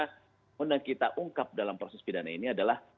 kemudian yang kita ungkap dalam proses pidana ini adalah